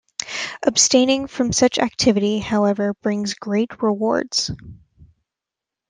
Abstaining from such activity, however, brings great rewards.